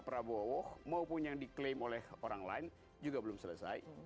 prabowo maupun yang diklaim oleh orang lain juga belum selesai